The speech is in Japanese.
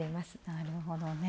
なるほどね。